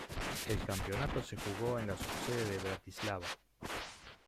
El campeonato se jugó en la subsede de Bratislava.